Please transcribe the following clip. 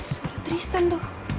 suara tristan tuh